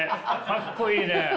かっこいいね！